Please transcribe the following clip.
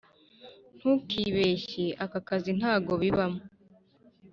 ntukibeshye aka kazi ntago bibamo